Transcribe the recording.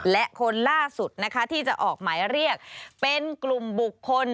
และคนล่าสุดนะคะที่จะออกหมายเรียกเป็นกลุ่มบุคคล